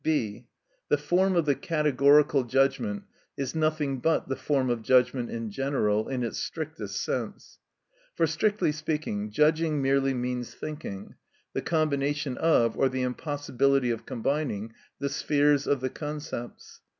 (b.) The form of the categorical judgment is nothing but the form of judgment in general, in its strictest sense. For, strictly speaking, judging merely means thinking, the combination of, or the impossibility of combining, the spheres of the concepts.